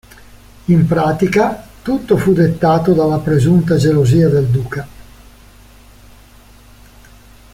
In pratica, tutto fu dettato dalla presunta gelosia del duca.